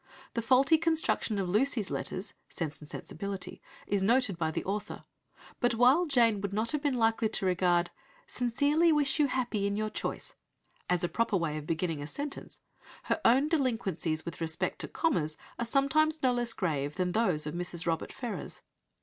The faulty construction of Lucy's letters (Sense and Sensibility) is noted by the author, but while Jane would not have been likely to regard "Sincerely wish you happy in your choice" as a proper way of beginning a sentence, her own delinquencies with respect to commas are sometimes no less grave than those of Mrs. Robert Ferrars.